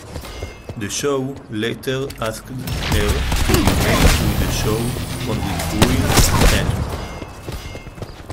The show later asked her to remain with the show on recurring status.